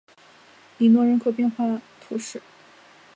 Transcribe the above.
里诺人口变化图示